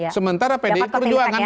sementara pdi perjuangan